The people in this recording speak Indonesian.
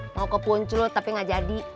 mau ke punclut tapi gak jadi